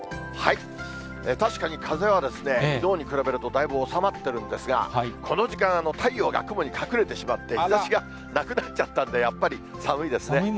確かに風はきのうに比べるとだいぶ収まってるんですが、この時間、太陽が雲に隠れてしまっていて、日ざしがなくなっちゃったんで、やっぱり寒いですね。